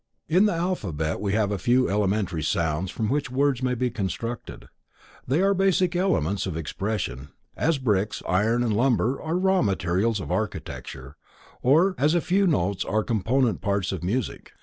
_ In the alphabet we have a few elementary sounds from which words may be constructed. They are basic elements of expression, as bricks, iron and lumber are raw materials of architecture, or as a few notes are component parts of music.